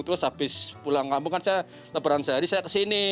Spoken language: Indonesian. terus habis pulang kampung kan saya lebaran sehari saya kesini